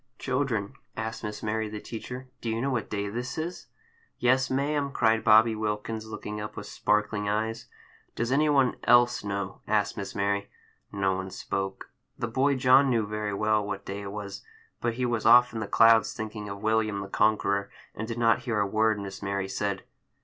"CHILDREN," asked Miss Mary, the teacher, "do you know what day this is?" "Yes, ma'am!" cried Bobby Wilkins, looking up with sparkling eyes. "Does any one else know?" asked Miss Mary. No one spoke. The boy John knew very well what day it was, but he was off in the clouds, thinking of William the Conqueror, and did not hear a word Miss Mary said.